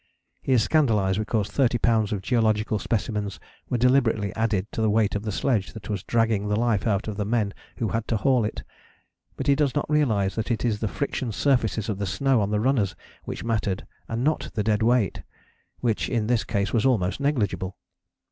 He is scandalized because 30 lbs. of geological specimens were deliberately added to the weight of the sledge that was dragging the life out of the men who had to haul it; but he does not realize that it is the friction surfaces of the snow on the runners which mattered and not the dead weight, which in this case was almost negligible.